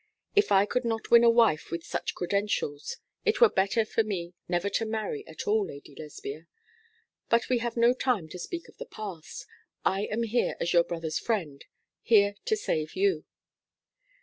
If I could not win a wife with such credentials, it were better for me never to marry at all, Lady Lesbia. But we have no time to speak of the past. I am here as your brother's friend, here to save you.'